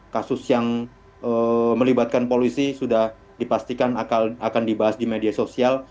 kasus yang melibatkan polisi sudah dipastikan akan dibahas di media sosial